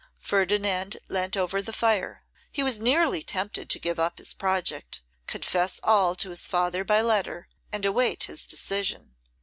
Ferdinand leant over the fire. He was nearly tempted to give up his project, confess all to his father by letter, and await his decision.